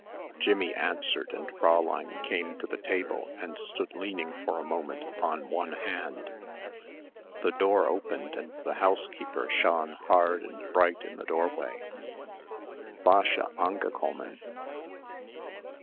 Jimmie answered and Fräulein came to the table and stood leaning for a moment upon one hand. The door opened and the housekeeper shone hard and bright in the doorway. "Wäsche angekommen!"